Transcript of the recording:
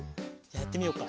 やってみようか。